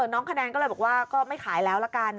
น้องคะแนนก็เลยบอกว่าก็ไม่ขายแล้วละกัน